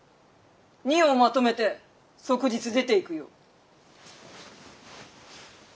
荷をまとめて即日出ていくよう。